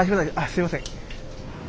すみません。